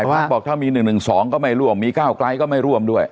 พักบอกถ้ามี๑๑๒ก็ไม่ร่วมมีก้าวไกลก็ไม่ร่วมด้วย